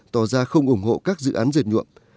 tỏ ra không ủng hộ các dự án dệt nhuộm